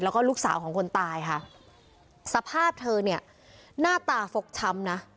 แล้วก็ลูกสาวของคนตายค่ะสภาพเธอเนี่ยหน้าตาฟกช้ำนะ